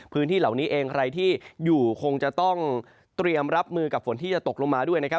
พื้นที่เหล่านี้เองใครที่อยู่คงจะต้องรับฟื้นที่จะตกลงมา